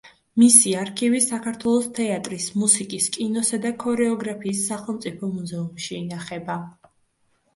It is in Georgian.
მისი არქივი საქართველოს თეატრის, მუსიკის, კინოსა და ქორეოგრაფიის სახელმწიფო მუზეუმში ინახება.